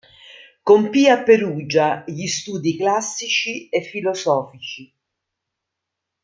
Compì a Perugia gli studi classici e filosofici.